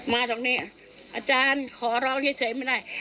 มาตรงเนี้ยอาจารย์ขอร้องเย็นเฉยแย้วไม่ได้